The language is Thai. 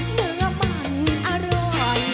เนื้อมันอร่อย